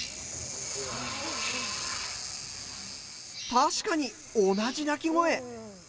確かに、同じ鳴き声。